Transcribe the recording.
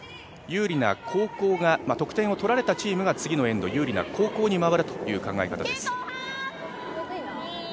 有利な後攻が得点を取られたチームが次のエンド有利な後攻に回るという考え方です。